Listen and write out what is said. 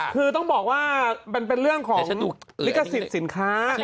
คือต้องบอกว่าเป็นเรื่องของลิขสินค้า